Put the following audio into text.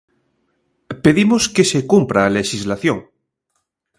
Pedimos que se cumpra a lexislación.